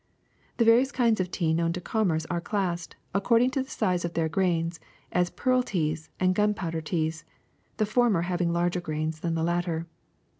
^^The various kinds of tea kno\^Ti to commerce are classed, according to the size of their grains, as pearl teas and gunpowder teas, the former having larger grains than the latter.